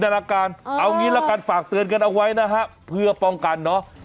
อาการเอางี้ละกันฝากเตือนกันเอาไว้นะฮะเพื่อป้องกันเนอะ